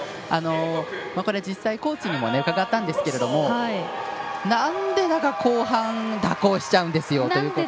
実際、コーチにも伺ったんですけどなんでだか後半蛇行しちゃうんですよと。